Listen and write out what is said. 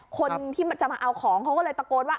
คนที่จะมาเอาของเขาก็เลยตะโกนว่า